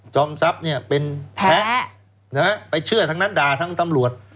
ทรัพย์เนี่ยเป็นแพ้ไปเชื่อทั้งนั้นด่าทั้งตำรวจ